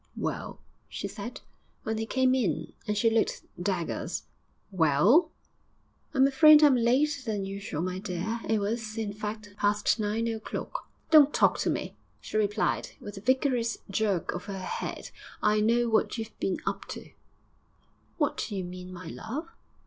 'Well?' she said, when he came in; and she looked daggers.... 'Well?' 'I'm afraid I'm later than usual, my dear.' It was, in fact, past nine o'clock. 'Don't talk to me!' she replied, with a vigorous jerk of her head. 'I know what you've been up to.' 'What do you mean, my love?'